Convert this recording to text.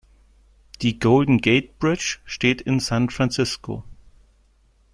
Die Golden Gate Bridge steht in San Francisco.